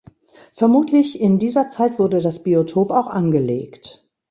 Vermutlich in dieser Zeit wurde das Biotop auch angelegt.